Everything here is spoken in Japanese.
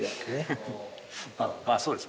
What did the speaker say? そうです